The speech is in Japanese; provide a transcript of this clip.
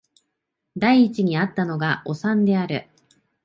第一に逢ったのがおさんである